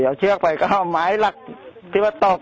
เอาเชือกไปก็เอาไม้หลักที่ว่าตก